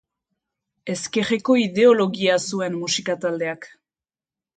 Ezkerreko ideologia zuen musika taldeak.